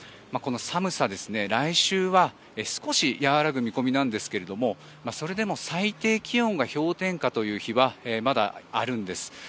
この寒さ、来週は少し和らぐ見込みなんですがそれでも最低気温が氷点下という日はまだあるんです。